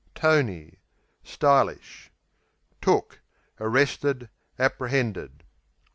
Tony Stylish. Took Arrested; apprehended.